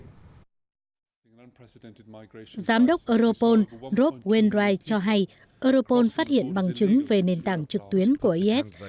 giám đốc europol rob wendrights cho hay europol phát hiện bằng chứng về nền tảng trực tuyến của is